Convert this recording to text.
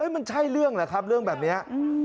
มันใช่เรื่องเหรอครับเรื่องแบบนี้